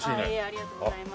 ありがとうございます。